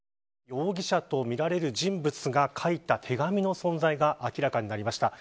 容疑者とみられる人物が書いた手紙の存在が明らかになりました。